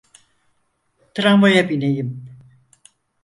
Tramvaya bineyim!